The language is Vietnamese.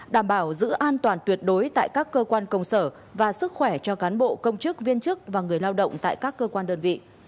đảm bảo giữ an toàn tuyệt đối tại các cơ quan công sở và sức khỏe cho cán bộ công chức viên chức và người lao động tại các cơ quan đơn vị